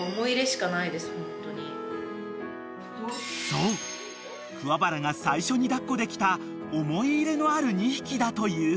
［そう桑原が最初に抱っこできた思い入れのある２匹だという］